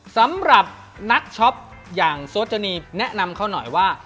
สำหรับนักช็อปอย่างโซจานีแนะนำเขาหน่อยว่า